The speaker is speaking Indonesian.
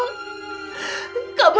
masa kecil kamu